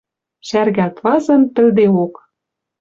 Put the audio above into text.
Шӓргӓлт вазын пӹлдеок.